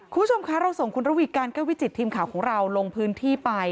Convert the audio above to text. คุณผู้ชมคะเราส่งคุณระวีการแก้ววิจิตทีมข่าวของเราลงพื้นที่ไป